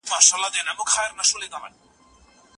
سیند د شاعر او محبوب تر منځ یو خنډ دی.